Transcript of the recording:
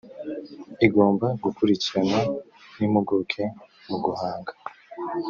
igomba gukurikiranwa n impuguke mu guhanga